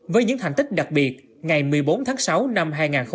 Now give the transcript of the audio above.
với những thành tích đặc biệt ngày một mươi bốn tháng sáu năm hai nghìn hai mươi ba